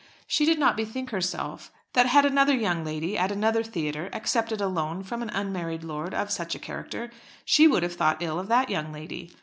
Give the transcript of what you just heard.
She did not bethink herself that had another young lady at another theatre accepted a loan from an unmarried lord of such a character, she would have thought ill of that young lady.